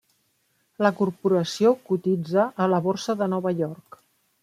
La corporació cotitza a la borsa de Nova York.